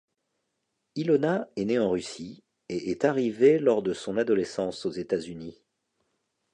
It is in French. Ilona est née en Russie et est arrivée lors de son adolescence aux États-Unis.